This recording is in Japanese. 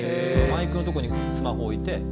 「マイクのとこにスマホ置いて」